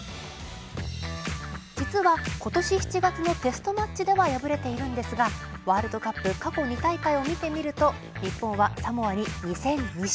実は今年７月のテストマッチでは敗れているんですがワールドカップ過去２大会を見てみると日本はサモアに２戦２勝。